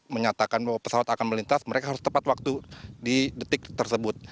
menyatakan bahwa pesawat akan melintas mereka harus tepat waktu di detik tersebut